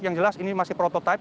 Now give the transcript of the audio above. yang jelas ini masih prototipe